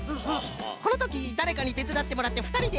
このときだれかにてつだってもらってふたりでやるのもいいぞい。